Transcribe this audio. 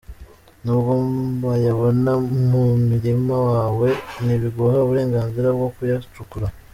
Nubwo wayabona mu murima wawe, ntibiguha uburenganzira bwo kuyacukura.